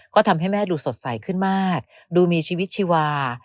ก็ทำให้แม่ดูสดใสขึ้นมากดูมีชีวิตชีวา